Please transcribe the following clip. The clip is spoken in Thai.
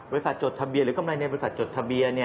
บริษัทจดทะเบียนหรือกำไรเงินบริษัทจดทะเบียน